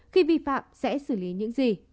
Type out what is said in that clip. khi vi phạm sẽ xử lý những gì